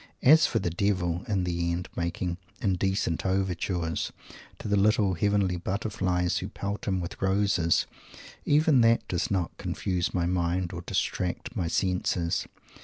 As for the Devil, in the end, making "indecent overtures" to the little Heavenly Butterflies, who pelt him with roses even that does not confuse my mind or distract my senses.